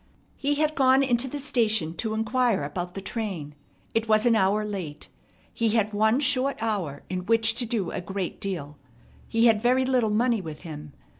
He had gone into the station to inquire about the train. It was an hour late. He had one short hour in which to do a great deal. He had very little money with him.